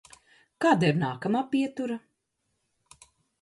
K?da ir n?kam? pietura?